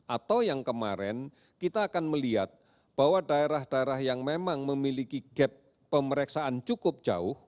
atau yang kemarin kita akan melihat bahwa daerah daerah yang memang memiliki gap pemeriksaan cukup jauh